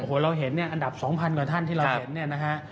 โอ้โหเราเห็นเนี่ยอันดับ๒๐๐กว่าท่านที่เราเห็นเนี่ยนะฮะ